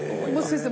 先生